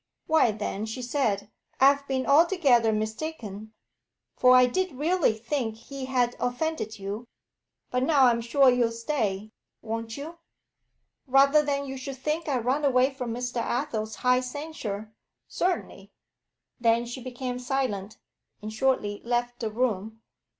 'Why then,' she said, 'I have been altogether mistaken; for I did really think he had offended you. But now I'm sure you'll stay won't you?' 'Rather than you should think I run away from Mr. Athel's high censure certainly.' Then she became silent, and shortly left the room.